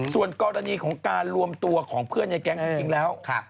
ส่วนกรณีของการรวมตัวของเพื่อนในแก๊งจริงแล้ว